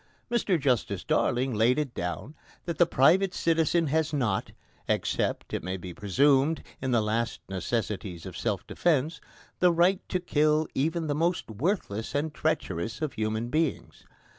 Mr Justice Darling laid it down that the private citizen has not except, it may be presumed, in the last necessities of self defence the right to kill even the most worthless and treacherous of human beings.